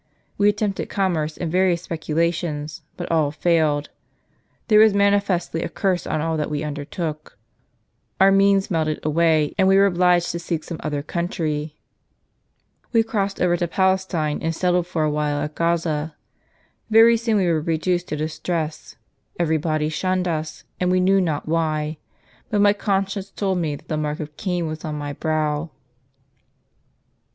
We attempted commerce and various speculations, but all failed. There was manifestly a curse on all that we undertook. Our means melted away, and we were obliged to * The religious who lived in community, or common life, were so called. . seek some other country. We crossed over to Palestine, and settled for a while at Gaza. Very soon we were reduced to distress ; every body shunned us, we knew not why ; but my conscience told me that the mark of Cain was on my brow."